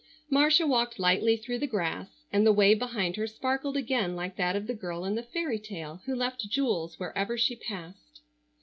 Marcia walked lightly through the grass, and the way behind her sparkled again like that of the girl in the fairy tale who left jewels wherever she passed.